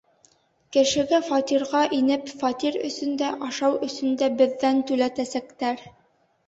Кешегә фатирға инеп, фатир өсөн дә, ашау өсөн дә беҙҙән түләтәсәктәр.